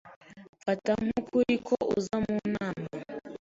Mfata nk'ukuri ko uza mu nama.